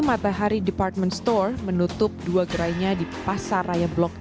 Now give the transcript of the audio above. matahari department store menutup dua gerainya di pasaraya blok m dan pasaraya manggarai